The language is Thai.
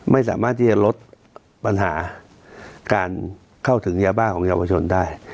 ไม่สามารถที่จะลดปัญหาการเข้าถึงยาบ้าของเยาวชนได้